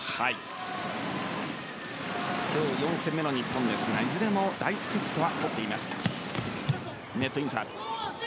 今日４戦目の日本ですがいずれも第１セット取っています。